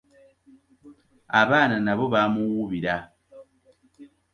Abaana nabo ba muwuubira.